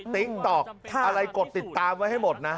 ติ๊กต๊อกอะไรกดติดตามไว้ให้หมดนะ